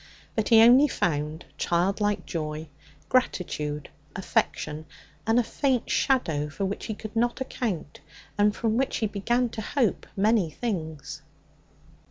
But he only found childlike joy, gratitude, affection, and a faint shadow for which he could not account, and from which he began to hope many things.